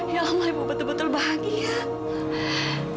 ya allah ibu betul betul bahagia